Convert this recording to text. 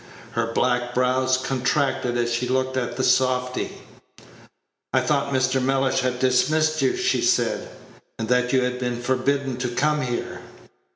Her black brows contracted as she looked at the softy. "I thought Mr. Mellish had dismissed you," she said, "and that you had been forbidden to come here."